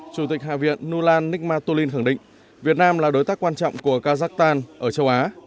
chủ tịch hạ viện nulan nikmatulin khẳng định việt nam là đối tác quan trọng của kazakhstan ở châu á